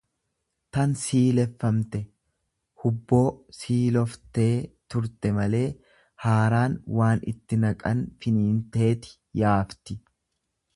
tan siileffamte ; Hubboo siiloftee turte malee, haaraan waan itti naqan finiinteeti yaafti.